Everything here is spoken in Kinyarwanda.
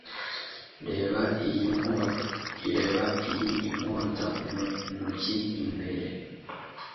Reba iyi inkota mu ntoki imbere